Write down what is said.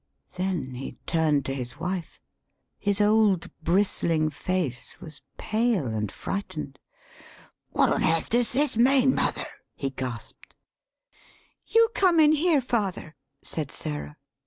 Then he turned to his wife. His old brist ling face was pale and frightened. " What on airth does this mean, mother?" [he gasped]. "You come in here, father," [said Sarah.